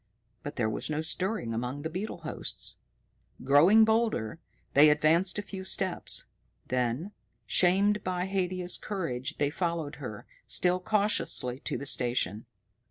But there was no stirring among the beetle hosts. Growing bolder, they advanced a few steps; then, shamed by Haidia's courage, they followed her, still cautiously to the station.